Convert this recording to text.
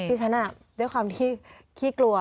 พี่ฉันด้วยความคลิกลัว